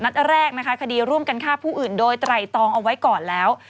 แรกนะคะคดีร่วมกันฆ่าผู้อื่นโดยไตรตองเอาไว้ก่อนแล้ว